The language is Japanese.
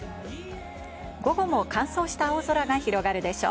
午後も乾燥した青空が広がるでしょう。